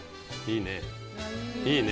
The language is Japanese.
いいね。